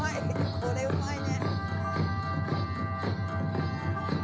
これうまいね。